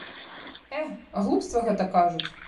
Э, глупства гэта кажуць!